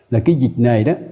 là cái dịch này đó